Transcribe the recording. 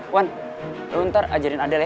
wan lu ntar ajarin adel ya